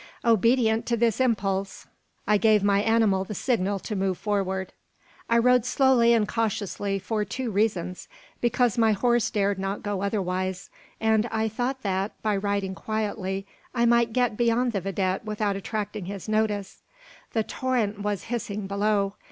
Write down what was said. Obedient to this impulse, I gave my animal the signal to move forward. I rode slowly and cautiously, for two reasons: because my horse dared not go otherwise; and I thought that, by riding quietly, I might get beyond the vidette without attracting his notice. The torrent was hissing below.